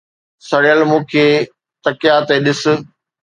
سڙيل، مون کي تکيا تي ڏس